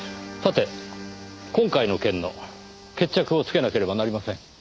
さて今回の件の決着をつけなければなりません。